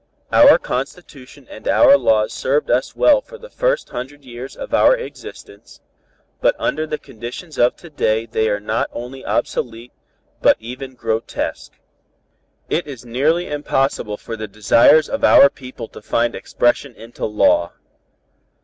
Our Constitution and our laws served us well for the first hundred years of our existence, but under the conditions of to day they are not only obsolete, but even grotesque. It is nearly impossible for the desires of our people to find expression into law.